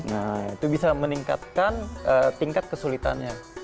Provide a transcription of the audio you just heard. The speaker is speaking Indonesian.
nah itu bisa meningkatkan tingkat kesulitannya